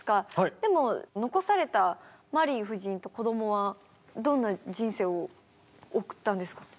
でも残されたマリー夫人とこどもはどんな人生を送ったんですか？